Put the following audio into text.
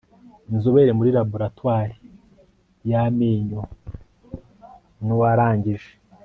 inzobere muri laboratwari y amenyo ni uwarangije